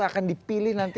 akan dipilih nanti